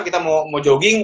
kita mau jogging